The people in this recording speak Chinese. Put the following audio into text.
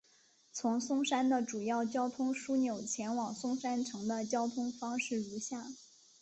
从松山的主要交通枢纽前往松山城的交通方式如下。